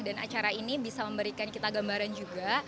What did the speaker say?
dan acara ini bisa memberikan kita gambaran juga